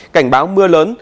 cảnh báo mưa lớn